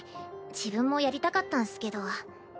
自分もやりたかったんすけど。